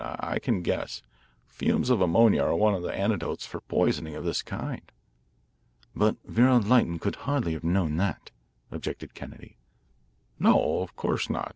I can guess. Fumes of ammonia are one of the antidotes for poisoning of this kind." "But Vera Lytton could hardly have known that," objected Kennedy. "No, of course not.